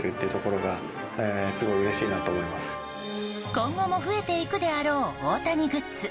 今後も増えていくであろう大谷グッズ。